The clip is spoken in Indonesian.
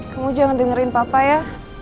kamu jangan dengerin papa ya